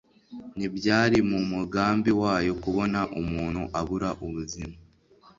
ntibyari mu mugambi wayo kubona umuntu abura ubuzima